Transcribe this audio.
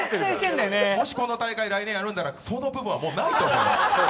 もしこの大会、来年やるなら、その部分たぶんないと。